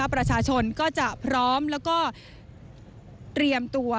ประชาชนก็จะพร้อมแล้วก็เตรียมตัว